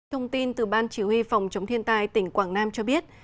thông tin từ ban chỉ huy phòng chống thiên tai tỉnh quảng nam cho biết